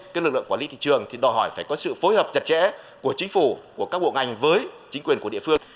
các lực lượng quản lý thị trường thì đòi hỏi phải có sự phối hợp chặt chẽ của chính phủ của các bộ ngành với chính quyền của địa phương